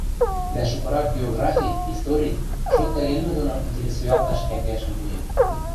дӓ шукырак географи, истори, шот дӓ йӹлмӹ доно интересуялташ кӓнгӓшӹм пуэвӹ.